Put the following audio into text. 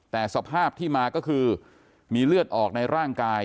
แต่สภาพที่มาก็คือมีเลือดออกในร่างกาย